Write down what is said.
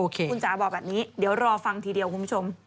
คุณจ๋าบอกแบบนี้เดี๋ยวรอฟังทีเดียวคุณผู้ชม